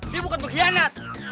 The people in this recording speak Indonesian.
dia bukan pengkhianat